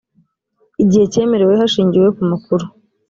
igihe cyemerewe hashingiwe ku makuru